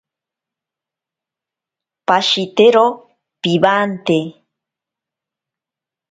Pashitero piwante.